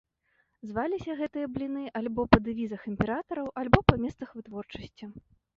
Зваліся гэтыя бліны альбо па дэвізах імператараў, альбо па месцах вытворчасці.